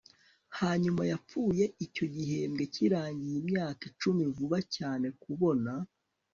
Hanyuma yapfuye icyo gihembwe kirangiye imyaka icumi vuba cyane kubona